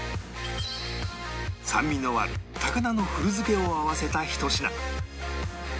酸味のある高菜の古漬けを合わせたひと品